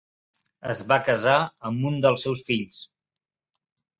Es va casar amb un dels seus fills.